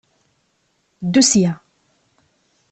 Ddu sya!